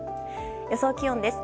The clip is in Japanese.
予想気温です。